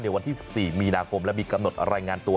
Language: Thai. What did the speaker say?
วันที่๑๔มีนาคมและมีกำหนดรายงานตัว